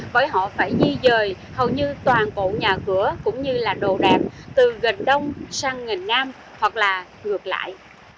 với họ phải di dời hầu như toàn cổ nhà cửa cũng như là đồ đạp từ gần đông sang gần nam hoặc là ngược lại